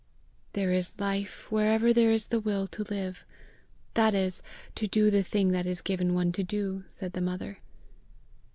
"There is life wherever there is the will to live that is, to do the thing that is given one to do," said the mother.